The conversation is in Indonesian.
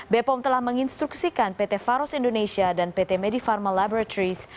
bpom telah menginstruksikan pt faros indonesia dan pt medifarma laboratories